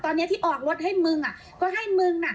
ตอนนี้ที่ออกรถให้มึงอ่ะก็ให้มึงน่ะ